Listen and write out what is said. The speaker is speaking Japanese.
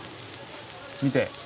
見て。